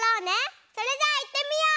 それじゃあいってみよう！